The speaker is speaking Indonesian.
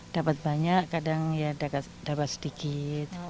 dapat banyak kadang ya dapat sedikit